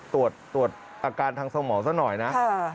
ตรวจอาการทางส่วนหมอซักหน่อยนะ